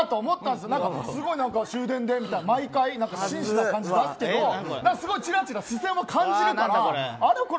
すごい終電でみたいな毎回、紳士な感じを出すけどすごいちらちら視線を感じるからあれ？